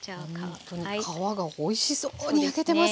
ほんとに皮がおいしそうに焼けてます。